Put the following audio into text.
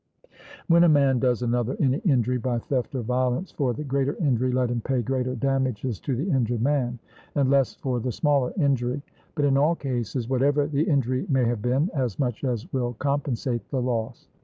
When a man does another any injury by theft or violence, for the greater injury let him pay greater damages to the injured man, and less for the smaller injury; but in all cases, whatever the injury may have been, as much as will compensate the loss.